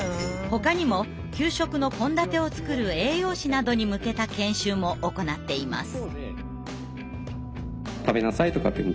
ほかにも給食の献立を作る栄養士などに向けた研修も行っています。